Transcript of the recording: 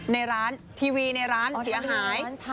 ในร้านทีวีในร้านเสียหาย